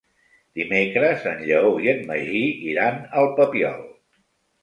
Dimecres en Lleó i en Magí iran al Papiol.